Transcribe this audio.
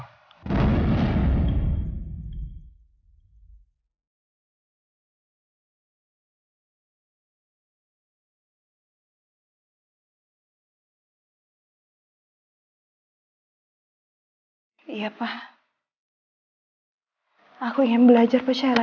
tidak ada yang bisa dikawal